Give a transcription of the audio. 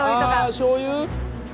あしょうゆ？